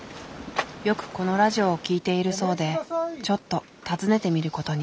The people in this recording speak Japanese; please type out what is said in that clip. よくこのラジオを聴いているそうでちょっと訪ねてみることに。